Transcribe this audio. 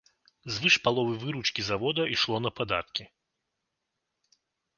Звыш паловы выручкі завода ішло на падаткі.